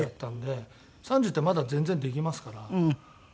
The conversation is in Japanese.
３０ってまだ全然できますから。